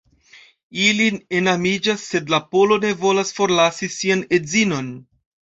Ili enamiĝas, sed la polo ne volas forlasi sian edzinon.